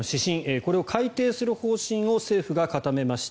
これを改訂する方針を政府が固めました。